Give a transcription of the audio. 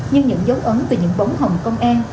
nhưng những dấu ấn từ những bóng hồng công an